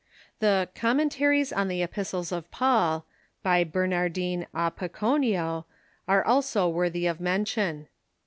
The " Commentaries on the Epistles of Paul " by Bernardine a Piconio are also Avor thy of mention.